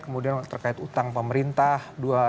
kemudian terkait utang pemerintah